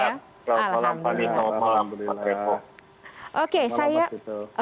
sehat selamat malam fani selamat malam mas revo